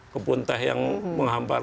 kebun teh yang menghampar